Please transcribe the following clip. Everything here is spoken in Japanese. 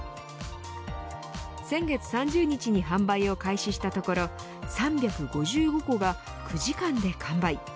先月３０日に販売を開始したところ３５５個が９時間で完売。